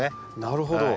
なるほど！